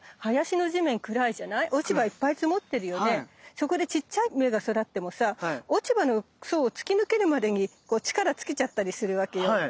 そこでちっちゃい芽が育ってもさ落ち葉の層を突き抜けるまでに力尽きちゃったりするわけよ。